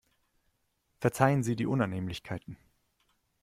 Verzeihen Sie die Unannehmlichkeiten.